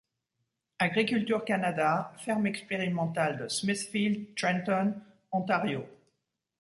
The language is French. Agriculture Canada, ferme expérimentale de Smithfield, Trenton, Ontario.